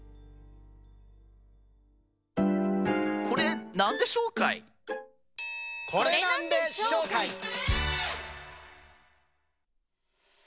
これなんでしょうかい？